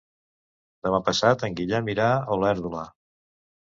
Demà passat en Guillem irà a Olèrdola.